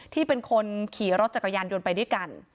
ที่เป็นคนขี่รถจักรยานยนต์ไปด้วยกัน